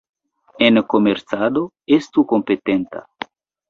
En komercado, estu kompetenta.